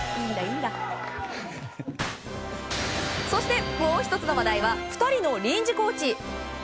そして、もう１つの話題は２人の臨時コーチ。